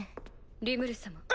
リムル様。